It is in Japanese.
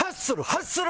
ハッスル！